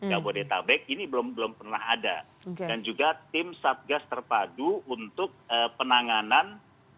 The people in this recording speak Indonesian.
jabodetabek ini belum pernah ada dan juga tim satgas terpadu untuk penanganan